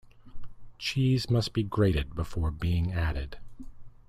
Cheese must be grated before being added.